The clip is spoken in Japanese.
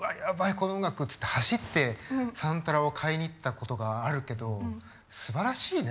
この音楽！って走ってサントラを買いに行ったことがあるけどすばらしいね